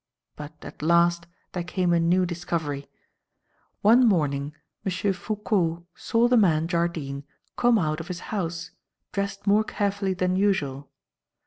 But, at last, there came a new discovery. "One morning M. Foucault saw the man, Jardine, come out of his house, dressed more carefully than usual.